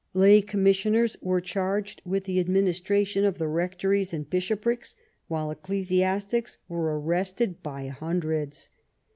Lay commissioners were charged with the administration of the Rectories and Bishoprics, while ecclesiastics were arrested by hundreds.